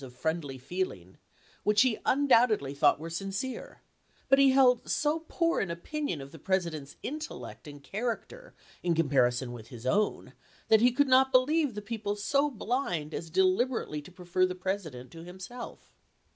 of friendly feeling, which he undoubtedly thought were sincere ; but he held so poor an opinion of the President's intellect and character in compari son with his own, that he could not believe the people so blind as deliberately to prefer the Presi dent to himself.